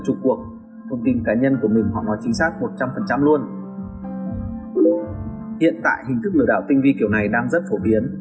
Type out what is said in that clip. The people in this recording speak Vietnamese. chúng bảo danh các hành vi lừa đảo